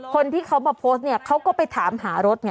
คนที่เขามาโพสต์เนี่ยเขาก็ไปถามหารถไง